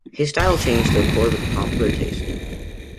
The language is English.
His style changed to accord with popular taste.